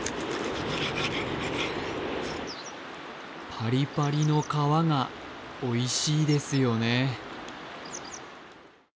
パリパリの皮がおいしいですよね。